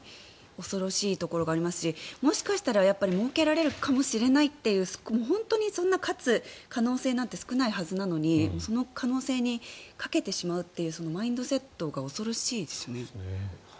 恐ろしいところがありますしもしかしたらもうけられるかもしれないと本当に勝つ可能性なんて少ないはずなのにその可能性に賭けてしまうというマインドセットが恐ろしいですね。